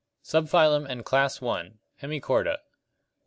Subphylum and Class I. Hemichorda (Gr.